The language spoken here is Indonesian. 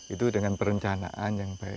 itu dengan perencanaan yang baik